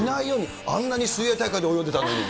あんなに水泳大会で泳いでいたのに。